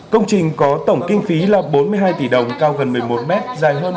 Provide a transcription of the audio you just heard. công trình có tổng kinh phí là bốn mươi hai tỷ đồng cao gần một mươi một mét dài hơn một trăm linh km